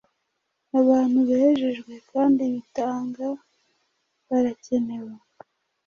Abantu bejejwe kandi bitanga barakenewe;